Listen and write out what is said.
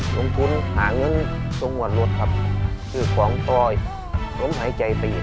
ลงทุนหาเงินตรงวันลดครับคือของปลอยลมหายใจปีครับ